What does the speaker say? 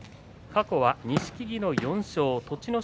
過去は錦木の４勝栃ノ